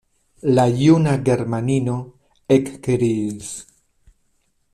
La juna germanino ekkriis: